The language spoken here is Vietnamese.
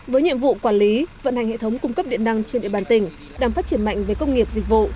với nhiệm vụ quản lý vận hành hệ thống cung cấp điện năng trên địa bàn tỉnh đang phát triển mạnh về công nghiệp dịch vụ